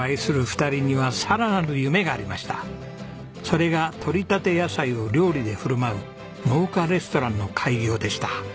それがとりたて野菜を料理で振る舞う農家レストランの開業でした。